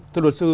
thưa luật sư